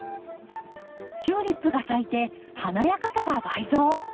チューリップが咲いて華やかさが倍増。